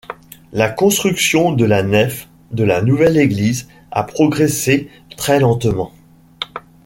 La construction de la nef de la nouvelle église a progressé très lentement.